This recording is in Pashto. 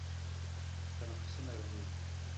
تنفسي ناروغۍ